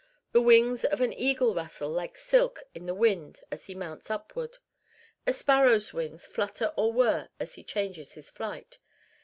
The wings of an eagle rustle like silk in the wind as he mounts upward. A sparrow's wings flutter or whir as he changes his flight.